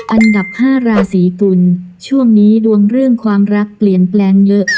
อันดับ๕ราศีกุลช่วงนี้ดวงเรื่องความรักเปลี่ยนแปลงเยอะ